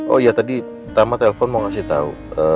oh iya tadi tama telpon mau kasih tahu